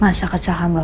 mau kasih penawaran ke lo